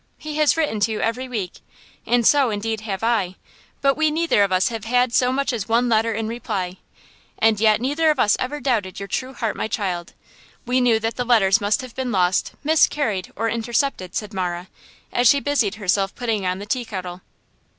He has written to you every week, and so, indeed have I, but we neither of us have had so much as one letter in reply. And yet neither of us ever doubted your true heart, my child. We knew that the letters must have been lost, miscarried or intercepted," said Marah, as she busied herself putting on the tea kettle.